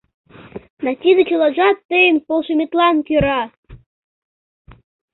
Да тиде чылажат тыйын полшыметлан кӧра!